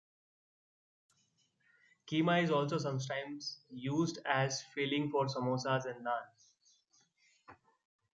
Keema is also sometimes used as a filling for samosas or naan.